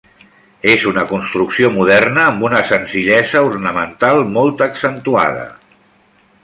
És una construcció moderna, amb una senzillesa ornamental molt accentuada.